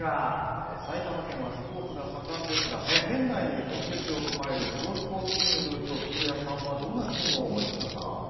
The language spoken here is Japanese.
埼玉県はスポーツが盛んですが県内に本拠地を構えるプロスポーツチームというと古谷さんはどんなチームを思いつきますか？